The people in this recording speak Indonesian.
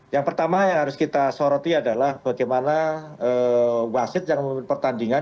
yang pertama yang harus kita soroti adalah bagaimana wasit yang pertandingan